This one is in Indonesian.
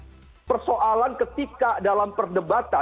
nah ini kan persoalan ketika dalam perdagangan